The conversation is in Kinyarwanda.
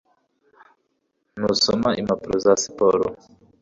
Ntusoma impapuro za siporo?